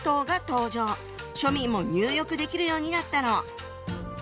庶民も入浴できるようになったの。